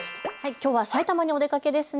きょうは埼玉にお出かけですね。